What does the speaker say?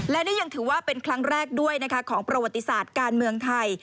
และนี่ยังถือว่าเป็นครั้งแรกด้วยนะคะของประวัติศาสตร์การเมืองไทย